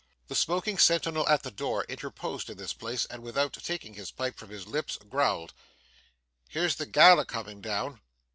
The smoking sentinel at the door interposed in this place, and without taking his pipe from his lips, growled, 'Here's the gal a comin' down.